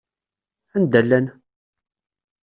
Anda llan?